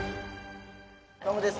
どうもです。